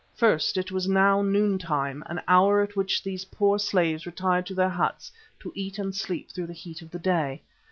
First, it was now noontime, an hour at which these poor slaves retired to their huts to eat and sleep through the heat of the day.